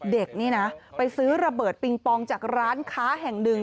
เด็กนี่นะไปซื้อระเบิดปิงปองจากร้านค้าแห่งหนึ่ง